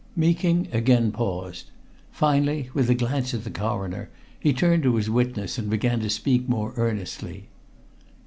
Meeking again paused. Finally, with a glance at the Coroner, he turned to his witness and began to speak more earnestly.